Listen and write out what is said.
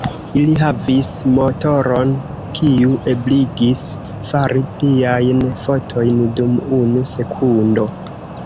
Ili havis motoron, kiu ebligis fari pliajn fotojn dum unu sekundo.